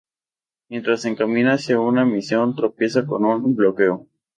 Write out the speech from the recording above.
Mientras se encamina hacia una misión tropieza con un bloqueo.